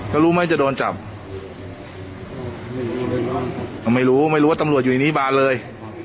ก็รู้ไหมจะโดนจับไม่รู้ไม่รู้ว่าตำรวจอยู่ในนี้บานเลย